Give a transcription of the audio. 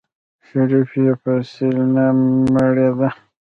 شريف يې په سيل نه مړېده.